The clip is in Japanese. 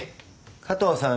加藤さん。